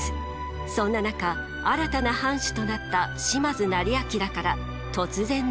そんな中新たな藩主となった島津斉彬から突然の申し出が。